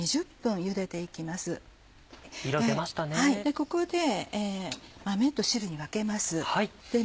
ここで豆と汁に分けます。